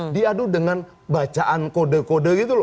diadu dengan bacaan kode kode